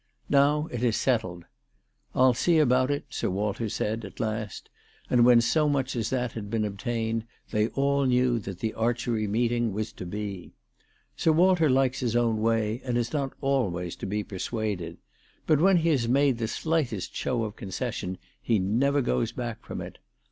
Now it is settled. ' I'll see about it/ Sir Walter said at last, and when so much as that had been obtained, they all knew that the archery meet ing was to be. Sir Walter likes his own way, and is not always to be persuaded. But when he has made the slightest show of concession, he never goes back from it.